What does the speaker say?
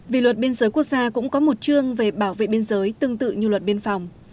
vì luật biên giới quốc gia cũng có một chương về bảo vệ biên giới tương tự như luật biên phòng